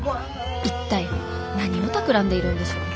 一体何をたくらんでいるんでしょう」。